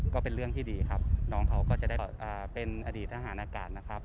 ก็เป็นเรื่องที่ดีครับน้องเขาก็จะได้เป็นอดีตทหารอากาศนะครับ